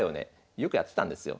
よくやってたんですよ。